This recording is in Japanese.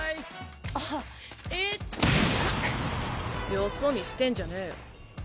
よそ見してんじゃねぇよ。